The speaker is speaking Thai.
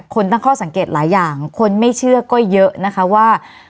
คนตั้งข้อสังเกตหลายอย่างคนไม่เชื่อก็เยอะนะคะว่า